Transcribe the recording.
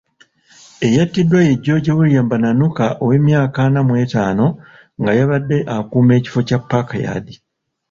Eyattiddwa ye George William Bananuka ow'emyaka ana mu etaano nga y'abadde akuuma ekifo kya Park yard.